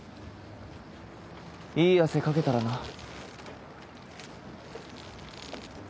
いい汗かけたらな。